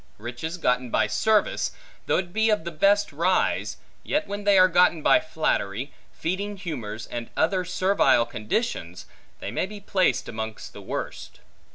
Riches gotten by service, though it be of the best rise, yet when they are gotten by flattery, feeding humors, and other servile conditions, they may be placed amongst the worst.